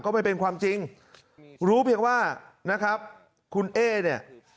ไม่เป็นความจริงรู้เพียงว่านะครับคุณเอ๊เนี่ย